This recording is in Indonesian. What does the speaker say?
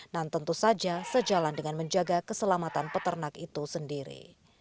dan tentu saja sejalan dengan menjaga keselamatan peternak itu sendiri